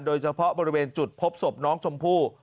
โดยเฉพาะบริเวณจุดพบศพน้องชมพู่